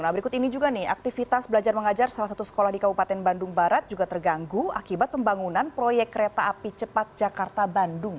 nah berikut ini juga nih aktivitas belajar mengajar salah satu sekolah di kabupaten bandung barat juga terganggu akibat pembangunan proyek kereta api cepat jakarta bandung